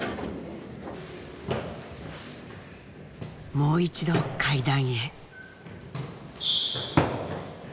もう一度階段へ。